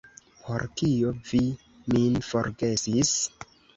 Por kio vi min forgesis?